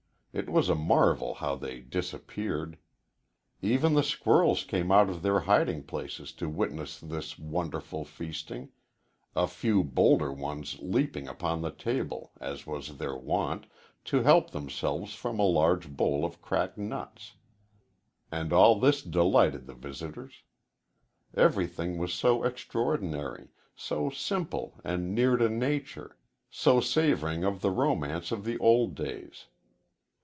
It was a marvel how they disappeared. Even the squirrels came out of their hiding places to witness this wonderful feasting, a few bolder ones leaping upon the table, as was their wont, to help themselves from a large bowl of cracked nuts. And all this delighted the visitors. Everything was so extraordinary, so simple and near to nature, so savoring of the romance of the old days.